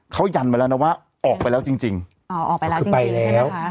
เขายันมาแล้วนะว่าออกไปแล้วจริงจริงอ๋อออกไปแล้วจริงจริงใช่ไหมคะ